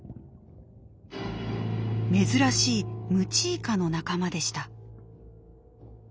珍しいムチイカの仲間でした。